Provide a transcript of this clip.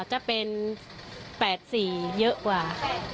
จะเป็น๘๔เยอะกว่า